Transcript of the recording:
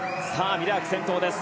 ミラーク先頭です。